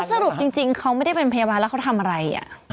สรุปจริงเขาไม่ได้เป็นพยาบาลแล้วเขาทำอะไร